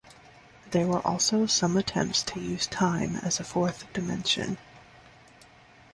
There were also some attempts to use time as a fourth dimension.